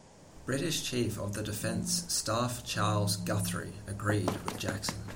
British Chief of the Defence Staff Charles Guthrie agreed with Jackson.